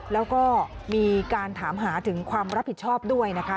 แล้วก็มีการถามหาถึงความรับผิดชอบด้วยนะคะ